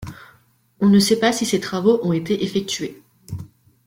On ne sait pas si ces travaux ont été effectués.